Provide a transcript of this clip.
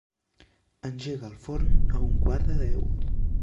Engega el forn a un quart de deu.